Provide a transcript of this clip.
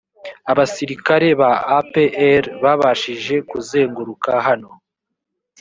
abasirikare ba apr babashije kuzenguruka hano